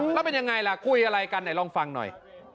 แล้วเป็นยังไงล่ะคุยอะไรกันไหนลองฟังหน่อย